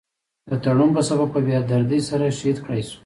د تړون پۀ سبب پۀ بي دردۍ سره شهيد کړے شو ۔